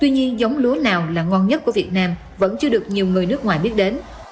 nhưng giống lúa nào là ngon nhất của việt nam vẫn chưa được nhiều người nước ngoài biết đến